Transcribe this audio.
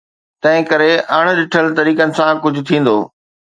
تنهنڪري اڻ ڏٺل طريقن سان ڪجهه ٿيندو.